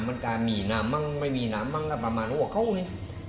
มันการมีน้ำบ้างไม่มีน้ำบ้างก็ประมาณหัวเข้าเลย